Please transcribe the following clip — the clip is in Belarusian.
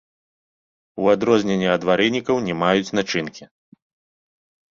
У адрозненне ад варэнікаў не маюць начынкі.